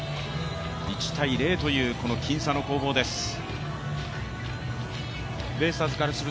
１−０という僅差の攻防です。